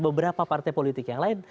beberapa partai politik yang lain